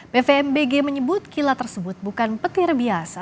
pvmbg menyebut kilat tersebut bukan petir biasa